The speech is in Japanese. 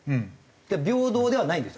平等ではないんです。